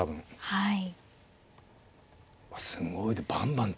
はい。